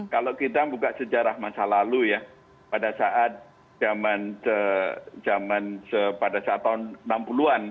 kalau kita buka sejarah masa lalu ya pada saat zaman pada saat tahun enam puluh an